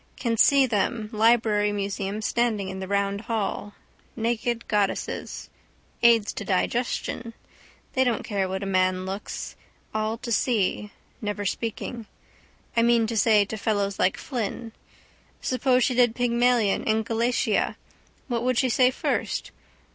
Can see them library museum standing in the round hall, naked goddesses. Aids to digestion. They don't care what man looks. All to see. Never speaking. I mean to say to fellows like Flynn. Suppose she did Pygmalion and Galatea what would she say first?